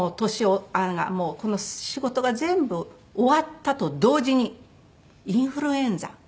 仕事が全部終わったと同時にインフルエンザ。